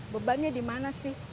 bebannya di mana sih